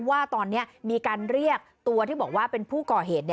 ว่าตอนนี้มีการเรียกตัวที่บอกว่าเป็นผู้ก่อเหตุ